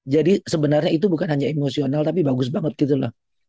jadi sebenarnya itu bukan hanya emosional tapi bagus banget gitu lah